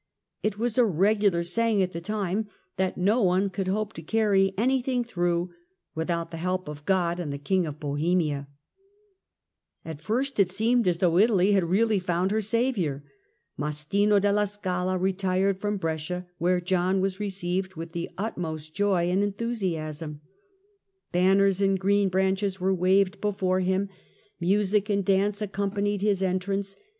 It was a regular saying at the time, that no one could hope to carry anything through, " without the help of God and the King of Bohemia". Successes At first it seemed as though Italy had really found Bohemia' ^^^ saviour. Mastino della Scala retired from Brescia, where John was received with the utmost joy and en thusiasm. Banners and green branches were waved be fore him, music and dance accompanied his entrance.